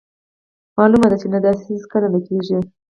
مالومه ده چې نه داسې هیڅکله نه کیږي.